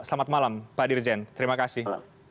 selamat malam pak dirjen terima kasih